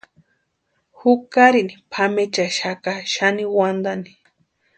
Jukarini pʼamechaxaka xani wantani.